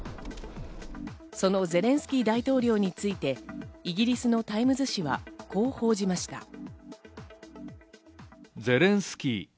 そのゼレンスキー大統領についてイギリスのタイムズ紙は、こう報じました。